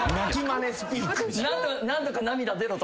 何とか涙出ろと。